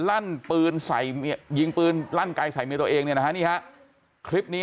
ลั่นปืนใส่มียิงปืนลั่นใกล้ใส่มีตัวเองนะนี่ครับคลิปนี้